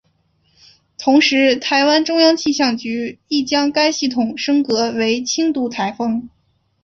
同时台湾中央气象局亦将该系统升格为轻度台风。